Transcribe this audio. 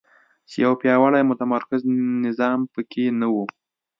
چې یو پیاوړی متمرکز نظام په کې نه وو.